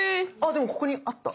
でもここにあった。